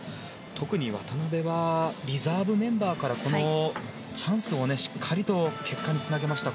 特に渡部はリザーブメンバーからこのチャンスをしっかりと結果につなげました。